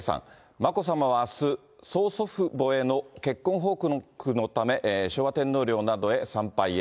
眞子さまはあす、曽祖父母への結婚報告のため、昭和天皇陵などへ参拝へ。